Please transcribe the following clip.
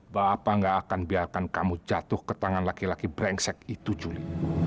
bapak gak akan biarkan kamu jatuh ke tangan laki laki brengsek itu juli